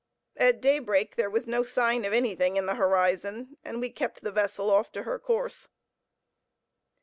At daybreak there was no sign of anything in the horizon, and we kept the vessel off to her course.